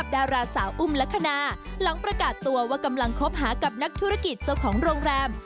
ดาราสาวอุ้มลักษณะหลังประกาศตัวว่ากำลังคบหากับนักธุรกิจเจ้าของโรงแรม